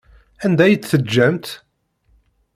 Anda ay tt-teǧǧamt?